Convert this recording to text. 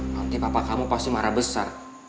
nanti bapak kamu pasti marah besar